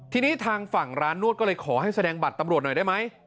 ทีนี้ทางฝั่งร้านนวดก็เลยขอให้แสดงบัตรตำรวจหน่อยได้ไหม